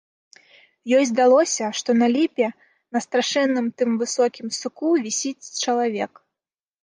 Ёй здалося, што на ліпе, на страшэнным тым высокім суку вісіць чалавек.